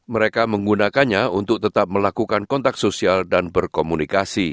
mereka menggunakannya untuk tetap melakukan kontak sosial dan berkomunikasi